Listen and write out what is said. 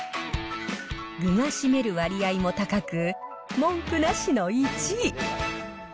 具が占める割合も高く、文句なしの１位。